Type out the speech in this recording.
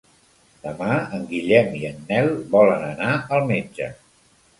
Demà en Guillem i en Nel volen anar al metge.